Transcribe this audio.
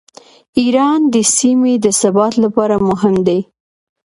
ایران د سیمې د ثبات لپاره مهم دی.